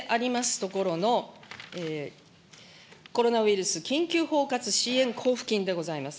ところのコロナウイルス緊急包括支援交付金でございます。